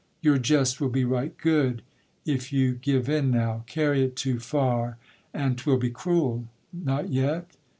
your jest will be right good If you give in now; carry it too far, And 'twill be cruel: not yet?